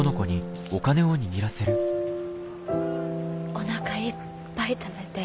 おなかいっぱい食べて。